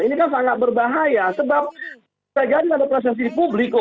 ini kan sangat berbahaya sebab saya ganti pada prosesi publik loh